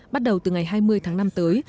bắt đầu từ ngày hai mươi tháng năm tới